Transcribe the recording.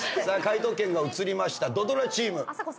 さあ解答権が移りました土ドラチーム。